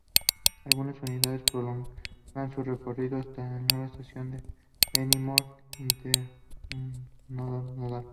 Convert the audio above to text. Algunas unidades prolongan su recorrido hasta la nueva estación de Benidorm-Intermodal.